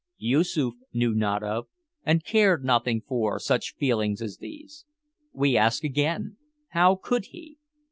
Yoosoof knew not of, and cared nothing for, such feelings as these. We ask again, how could he?